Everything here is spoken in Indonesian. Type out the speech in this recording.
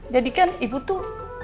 jadi kan ibu tuh